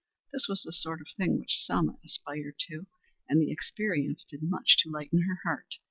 This was the sort of thing which Selma aspired to, and the experience did much to lighten her heart.